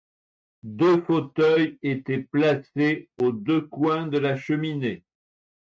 Deux fauteuils étaient placés aux deux coins de la cheminée.